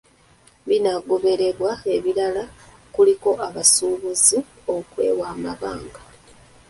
Mu binaagobererwa ebirala kuliko abasuubuzi okwewa amabanga.